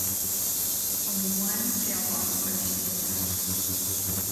Only one jail block remains intact.